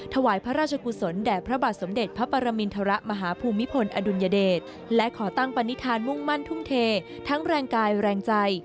ถวายพระราชกุศลแด่พระบาทสมเด็จพระปรมินทรมาฮภูมิพลอดุลยเดชและขอตั้งปณิธานมุ่งมั่นทุ่มเททั้งแรงกายแรงใจ